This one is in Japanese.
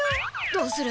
どうする？